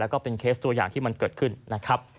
แล้วก็เป็นเคสตัวอย่างที่มันเกิดขึ้นนะครับ